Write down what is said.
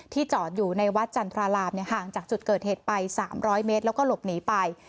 จอดอยู่ในวัดจันทรารามห่างจากจุดเกิดเหตุไป๓๐๐เมตรแล้วก็หลบหนีไป